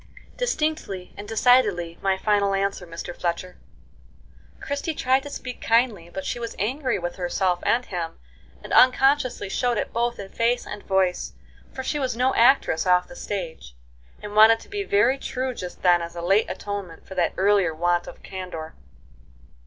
"Distinctly and decidedly my final answer, Mr Fletcher." Christie tried to speak kindly, but she was angry with herself and him, and unconsciously showed it both in face and voice, for she was no actress off the stage, and wanted to be very true just then as a late atonement for that earlier want of candor.